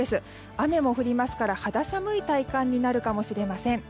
雨も降りますから肌寒い体感になるかもしれません。